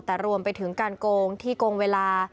แต่รวมไปถึงการโกงที่โกงเวลา